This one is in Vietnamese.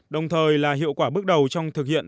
đồng thời là hiệu quả bước đầu trong thực hiện